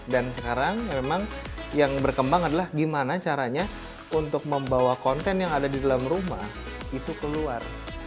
dan sekarang memang yang berkembang adalah gimana caranya untuk membawa konten yang ada di dalam rumah itu keluar